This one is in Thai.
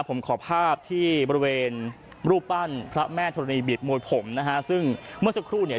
ผมขอภาพที่บริเวณรูปปั้นพระแม่ธรณีบิดมวยผมนะฮะซึ่งเมื่อสักครู่เนี่ย